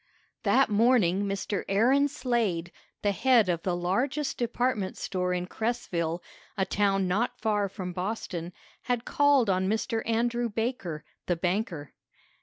That morning Mr. Aaron Slade, the head of the largest department store in Cresville, a town not far from Boston, had called on Mr. Andrew Baker, the banker.